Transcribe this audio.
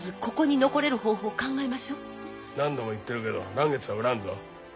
何度も言ってるけど嵐月は売らんぞ。